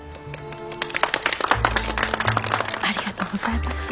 ありがとうございます。